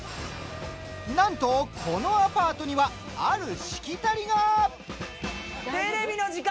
なんと、このアパートにはあるしきたりが。